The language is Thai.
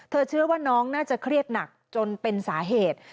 เชื่อว่าน้องน่าจะเครียดหนักจนเป็นสาเหตุ